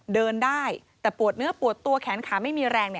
เดินได้แต่ปวดเนื้อปวดตัวแขนขาไม่มีแรง